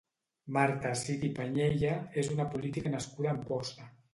Marta Cid i Pañella és una política nascuda a Amposta.